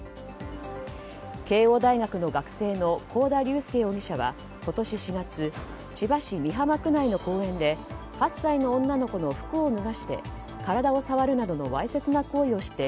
慶應大学の学生の幸田龍祐容疑者は今年４月千葉市美浜区内の公園で８歳の女の子の服を脱がして体を触るなどのわいせつな行為をして